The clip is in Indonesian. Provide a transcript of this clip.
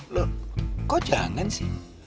loh kok jangan sih